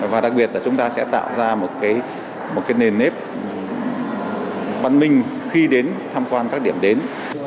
và đặc biệt là chúng ta sẽ tạo ra một cái nền nếp văn minh khi đến tham quan các điểm đến